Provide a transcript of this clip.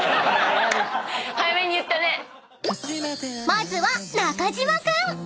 ［まずは中島君］